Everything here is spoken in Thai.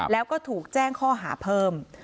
แล้วก็ถูกแจ้งข้อหาเพิ่ม